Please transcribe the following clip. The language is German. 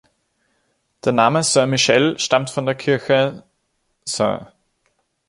Der Name Saint Michael stammt von der Kirche „St.